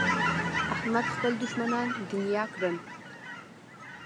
احمد خپل دوښمنان دڼيا کړل.